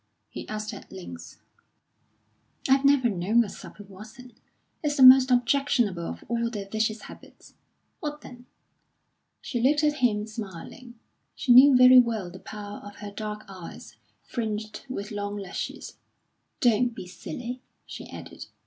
he asked at length. "I've never known a sub who wasn't. It's the most objectionable of all their vicious habits. What then?" She looked at him, smiling; she knew very well the power of her dark eyes, fringed with long lashes. "Don't be silly," she added.